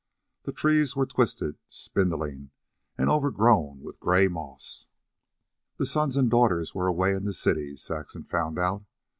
The trees were twisted, spindling, and overgrown with a gray moss. The sons and daughters were away in the cities, Saxon found out.